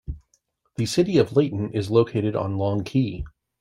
The city of Layton is located on Long Key.